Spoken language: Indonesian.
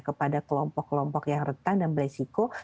kepada kelompok kelompok yang rentan dan beresiko